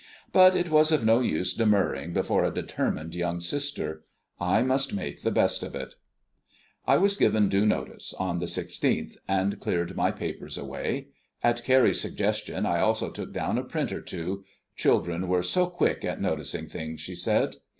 But it was of no use demurring before a determined young sister. I must make the best of it. I was given due notice on the 16th, and cleared my papers away. At Carrie's suggestion I also took down a print or two children were so quick at noticing things, she said.